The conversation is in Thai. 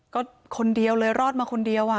ก็คนเดียวเลยรอดมาคนเดียว